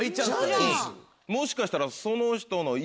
もしかしたら。